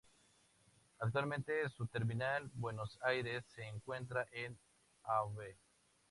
Actualmente su terminal Buenos Aires se encuentra en Av.